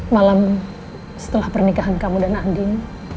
malam setelah pernikahan kamu dan nadiem